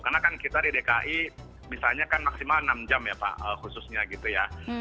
karena kan kita di dki misalnya kan maksimal enam jam ya pak khususnya gitu ya